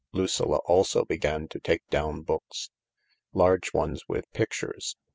Lucilla also began to take down books — large ones with pictures.